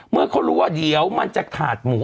เมื่อเขารู้ว่าเดี๋ยวมันจะขาดหมู